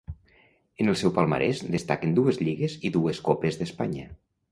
En el seu palmarès destaquen dues lligues i dues copes d'Espanya.